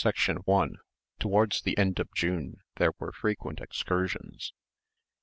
CHAPTER X 1 Towards the end of June there were frequent excursions.